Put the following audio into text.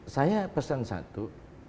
saya pesan satu